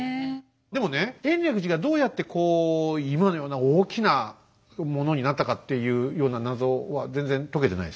でもね延暦寺がどうやってこう今のような大きなものになったかっていうような謎は所長